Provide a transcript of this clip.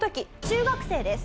中学生で？